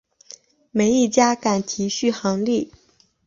没一家敢提续航力